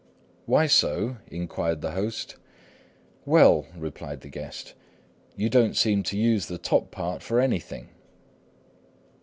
"Why so?" inquired the host. "Well," replied the guest, "you don't seem to use the top part for anything."